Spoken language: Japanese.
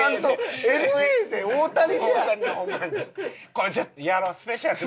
これちょっとやろうスペシャルで。